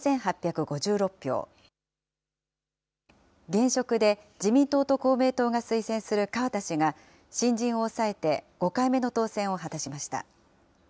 現職で、自民党と公明党が推薦する河田氏が、新人を抑えて５回目の当選を果たしました。